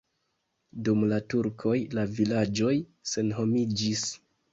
Dum la turkoj la vilaĝoj senhomiĝis.